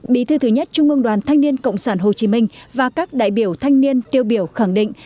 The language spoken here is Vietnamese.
bí thư thứ nhất trung ương đoàn thanh niên cộng sản hồ chí minh và các đại biểu thanh niên tiêu biểu khẳng định